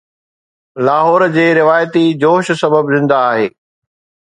لاهور جي روايتي جوش سبب زنده آهي